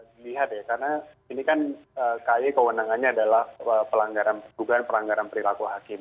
dilihat ya karena ini kan ky kewenangannya adalah pegungan peranggaran perilaku hakim